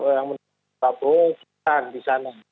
yang menurut pak bo